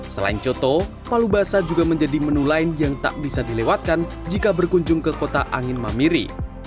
selain coto palu basah juga menjadi menu lain yang tak bisa dilewatkan jika berkunjung ke kota angin mamiri